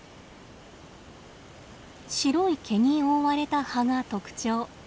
白い毛に覆われた葉が特徴。